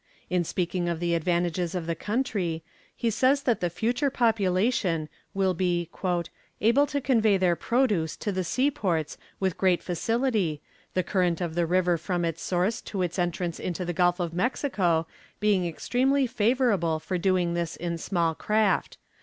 In speaking of the advantages of the country, he says that the future population will be "able to convey their produce to the seaports with great facility, the current of the river from its source to its entrance into the Gulf of Mexico being extremely favorable for doing this in small craft.